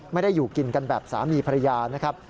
ไม่ได้อยู่กินกันแบบสามีภรรยานะครับ